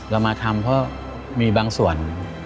เรามาทำเพราะมีบางส่วน